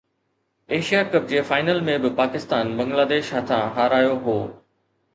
Asia cup جي final ۾ به پاڪستان بنگلاديش هٿان هارايو هو